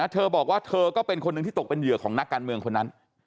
เธอบอกว่าเธอก็เป็นคนหนึ่งที่ตกเป็นเหยื่อของนักการเมืองคนนั้น